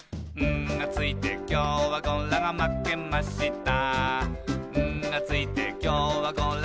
「『ん』がついてきょうはゴラがまけました」